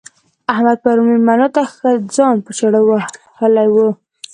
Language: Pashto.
احمد پرون مېلمنو ته ښه ځان په چاړه وهلی وو.